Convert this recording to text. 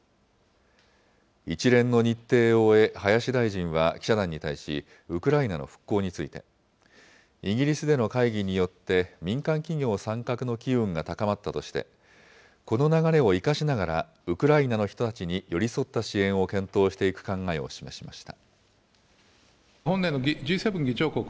一連の日程を終え、林大臣は記者団に対し、ウクライナの復興について、イギリスでの会議によって民間企業参画の機運が高まったとして、この流れを生かしながらウクライナの人たちに寄り添った支援を検討していく考えを示しました。